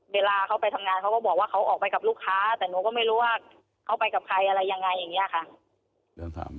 เวลาเขาไปทำงานเขาก็บอกว่าเขาออกไปกับลูกค้าแต่หนูก็ไม่รู้ว่าเขาไปกับใครอะไรยังไงอย่างนี้ค่ะ